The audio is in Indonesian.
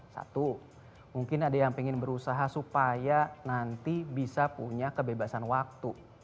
satu mungkin ada yang ingin berusaha supaya nanti bisa punya kebebasan waktu